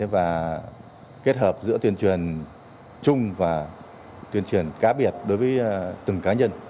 và kết hợp giữa tuyên truyền chung và tuyên truyền cá biệt đối với từng cá nhân